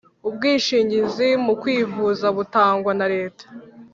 Ubwishingizi mukwivuza butangwa na leta